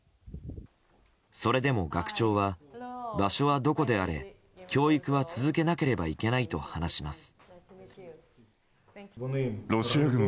それでも学長は場所はどこであれ教育は続けなければいけないと話します。